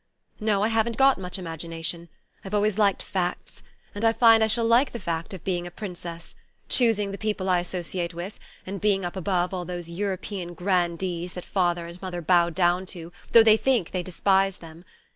No, I haven't got much imagination. I've always liked Facts. And I find I shall like the fact of being a Princess choosing the people I associate with, and being up above all these European grandees that father and mother bow down to, though they think they despise them.